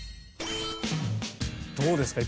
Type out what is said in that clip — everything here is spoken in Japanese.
どうですか？